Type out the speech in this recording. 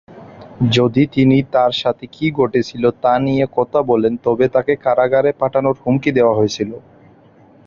যদি তিনি তার সাথে কী ঘটছে তা নিয়ে কথা বলেন তবে তাকে কারাগারে পাঠানোর হুমকি দেওয়া হয়েছিল।